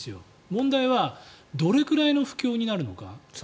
問題はどれくらいの不況になるのか。